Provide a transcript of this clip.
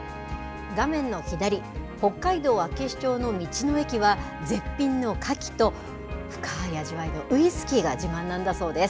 画面の左、北海道厚岸町の道の駅は、絶品のカキと、深い味わいのウイスキーが自慢なんだそうです。